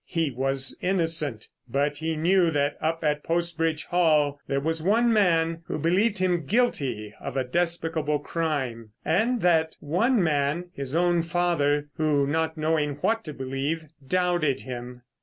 He was innocent, but he knew that up at Post Bridge Hall there was one man who believed him guilty of a despicable crime, and that one man his own father, who, not knowing what to believe, doubted him.